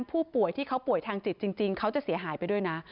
ผู้ป่วยที่เขาป่วยทางจิตจริงเขาจะเสียหายไปด้วยนะ